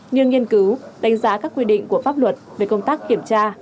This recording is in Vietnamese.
như nghiên cứu đánh giá các quy định của pháp luật về công tác kiểm tra